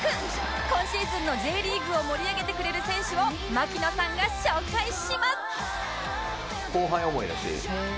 今シーズンの Ｊ リーグを盛り上げてくれる選手を槙野さんが紹介します